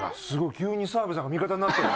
急に澤部さんが味方になった。